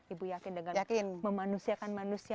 ibu yakin dengan memanusiakan manusia